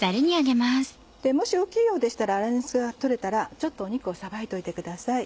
もし大きいようでしたら粗熱が取れたらちょっと肉をさばいといてください。